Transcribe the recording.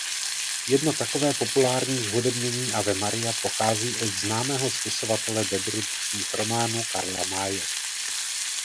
Jedno takové populární zhudebnění Ave Maria pochází od známého spisovatele dobrodružných románů Karla Maye.